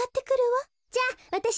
じゃあわたし